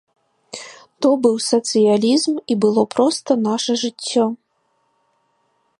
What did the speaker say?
То быў сацыялізм і было проста наша жыццё.